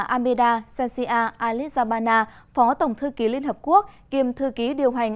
ameda sensia alizabana phó tổng thư ký liên hợp quốc kiêm thư ký điều hành